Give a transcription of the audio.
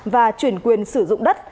và chuyển quyền sử dụng đất